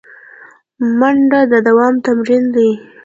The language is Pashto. منډه د دوام تمرین دی